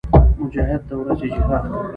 مجاهد د ورځې جهاد کوي.